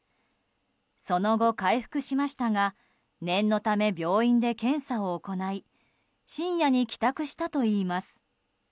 その後、回復しましたが念のため病院で検査を行い深夜に帰宅したといいます。